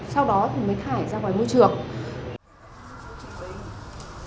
sau đó thì mới thải ra ngoài môi trường